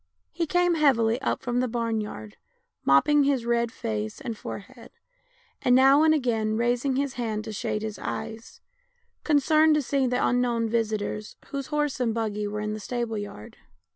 He came heavily up from the barn yard, mopping his red face and forehead, and now and again raising his hand to shade his eyes, concerned to see the unknown visitors, whose horse and buggy were in the stable yard.